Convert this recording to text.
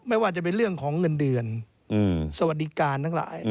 ไม่ว่าจะเป็นเรื่องของเงินเดือนสวัสดิการทั้งหลาย